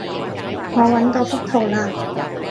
我搵到幅圖喇